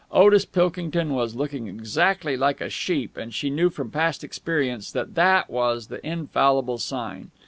Otis Pilkington was looking exactly like a sheep, and she knew from past experience that that was the infallible sign.